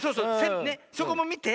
そこもみて。